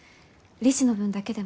利子の分だけでも。